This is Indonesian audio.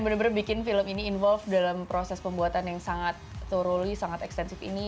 benar benar bikin film ini involve dalam proses pembuatan yang sangat toruli sangat ekstensif ini